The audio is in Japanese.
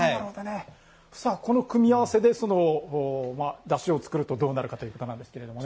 この組み合わせでそのだしを作るとどうなるかということなんですけれどもね。